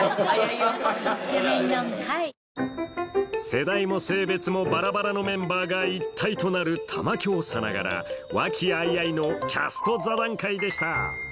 世代も性別もバラバラのメンバーが一体となる玉響さながら和気あいあいのキャスト座談会でした